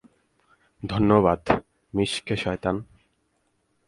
ধন্যবাদ, মিচকে শয়তান।